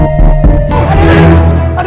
kau menyalahkan saya pak